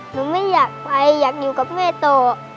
หนูไม่อยากไปอยากอยู่กับแม่ต่อ